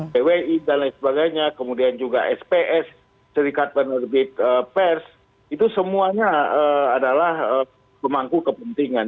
pwi dan lain sebagainya kemudian juga sps serikat penerbit pers itu semuanya adalah pemangku kepentingan